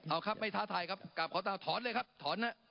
เอาครับไม่ท้าทายครับกลับขอตาถอนเลยครับถอนนะ